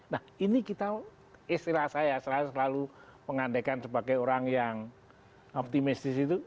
nah ini kita istilah saya saya selalu pengandaikan sebagai orang yang optimistis itu